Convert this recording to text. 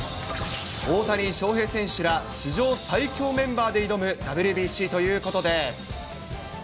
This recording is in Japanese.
大谷翔平選手ら、史上最強メンバーで挑むＷＢＣということで。